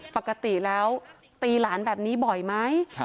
ปกติแล้วตีหลานแบบนี้บ่อยไหม